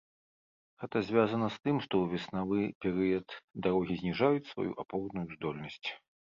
Гэта звязана з тым, што ў веснавы перыяд дарогі зніжаюць сваю апорную здольнасць.